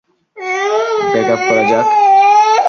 Break up করা যাক!